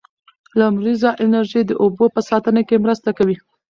لمریزه انرژي د اوبو په ساتنه کې مرسته کوي.